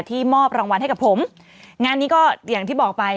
มอบรางวัลให้กับผมงานนี้ก็อย่างที่บอกไป